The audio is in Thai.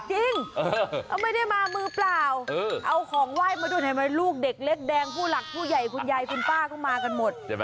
จริงเขาไม่ได้มามือเปล่าเอาของไหว้มาดูหน่อยไหมลูกเด็กเล็กแดงผู้หลักผู้ใหญ่คุณยายคุณป้าก็มากันหมดใช่ไหม